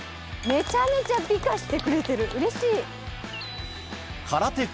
めちゃめちゃ美化してくれてるうれしい。